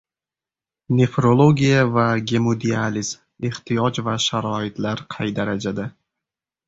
Nefrologiya va gemodializ: ehtiyoj va sharoitlar qay darajada?